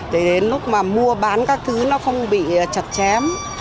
để đến lúc mà mua bán các thứ nó không bị chặt chém